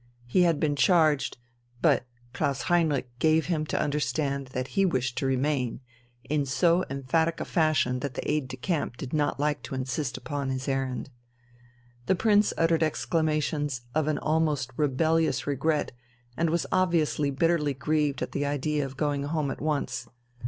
He had been charged ... But Klaus Heinrich gave him to understand that he wished to remain, in so emphatic a fashion that the aide de camp did not like to insist upon his errand. The Prince uttered exclamations of an almost rebellious regret and was obviously bitterly grieved at the idea of going home at once.